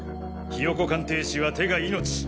ひよこ鑑定士は手が命。